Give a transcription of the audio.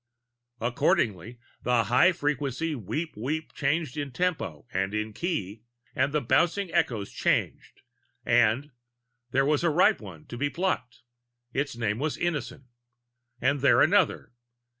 Accordingly, the high frequency wheep, wheep changed in tempo and in key, and the bouncing echoes changed and ... there was a ripe one to be plucked. (Its name was Innison.) And there another.